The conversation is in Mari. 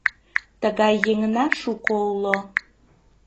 Тыгай еҥна шуко уло